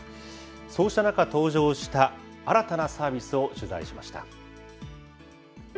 そうした中、登場した新たなサービスを取材しました。